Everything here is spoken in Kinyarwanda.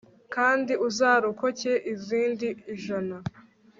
kandi uzarokoke izindi ijana